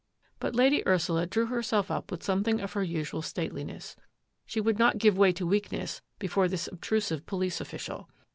But Lady Ursula drew herself up with some thing of her usual stateliness. She would not give way to weakness before this obtrusive police of ficial.